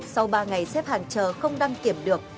sau ba ngày xếp hàng chờ không đăng kiểm được